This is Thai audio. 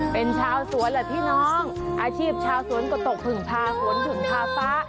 เป็นชาวสวนแหละพี่น้องอาชีพชาวสวนก็ตกผึ่งพาฝนผึ่งพาฟ้า